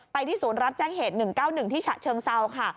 ที่ศูนย์รับแจ้งเหตุ๑๙๑ที่ฉะเชิงเซาค่ะ